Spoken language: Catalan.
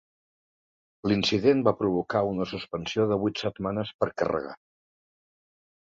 L'incident va provocar una suspensió de vuit setmanes per carregar.